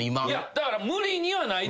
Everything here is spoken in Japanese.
だから無理にはないで。